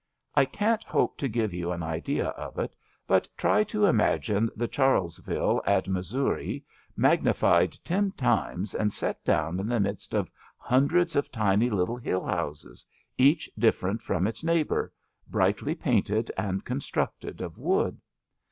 I can't hope to give you an idea of it, but try to imagine the CharlesviUe at Mus soorie magnified ten times and set down in the midst of hundreds of tiny little hill houses, each different from its neighbour, brightly painted and constructed of wood.